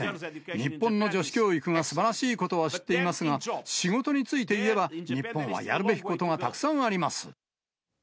日本の女子教育がすばらしいことは知っていますが、仕事についていえば、日本はやるべきことがたくさんあります。